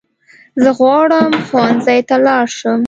زه غواړم ښوونځی ته لاړ شم